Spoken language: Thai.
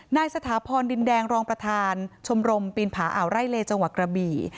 สถาพรดินแดงรองประธานชมรมปีนผาอ่าวไร่เลจังหวัดกระบี่